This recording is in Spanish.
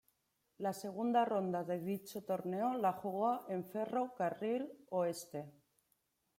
La segunda ronda de dicho torneo la jugó en Ferro Carril Oeste.